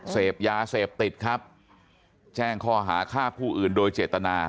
เสพยาเสพติดครับแจ้งข้อหาฆ่าผู้อื่นโดยเจตนา